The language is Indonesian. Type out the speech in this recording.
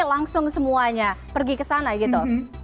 langsung semuanya pergi kesana gitu